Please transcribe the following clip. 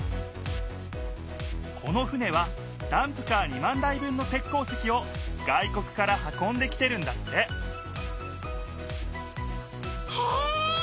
この船はダンプカー２万台分の鉄鉱石を外国から運んできてるんだってへえ！